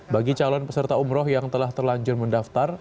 bagi calon peserta umroh yang telah terlanjur mendaftar